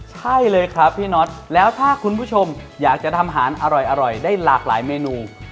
ใช่เลยครับพี่น็อตแล้วถ้าคุณผู้ชมอยากจะทำอาหารอร่อยได้หลากหลายเมนู